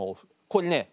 これね頭